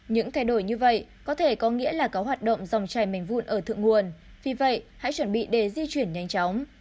những thay đổi như vậy có thể có nghĩa là có hoạt động dòng chảy mình vụn ở thượng nguồn vì vậy hãy chuẩn bị để di chuyển nhanh chóng